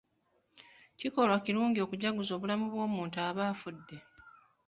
Kikolwa kirungi okujaguza obulamu bw'omuntu aba afudde.